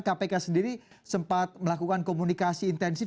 kpk sendiri sempat melakukan komunikasi intensif